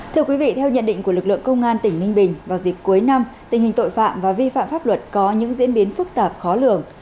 thưa quý vị theo nhận định của lực lượng công an tỉnh ninh bình vào dịp cuối năm tình hình tội phạm và vi phạm pháp luật có những diễn biến phức tạp khó lường